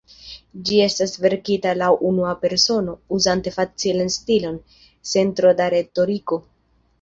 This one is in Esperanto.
Ĝi estas verkita laŭ unua persono, uzante facilan stilon, sen tro da retoriko.